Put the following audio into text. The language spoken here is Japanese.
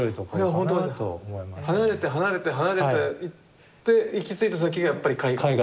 離れて離れて離れて行って行き着いた先がやっぱり絵画。